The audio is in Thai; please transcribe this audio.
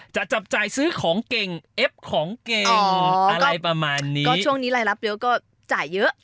จะจับจ่ายซื้อของเก่งเอฟของเก่งอะไรประมาณนี้ก็ช่วงนี้รายรับเยอะก็จ่ายเยอะ